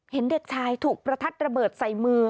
เห็นเด็กชายถูกประทัดระเบิดใส่มือ